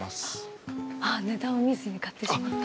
あっ値段を見ずに買ってしまった。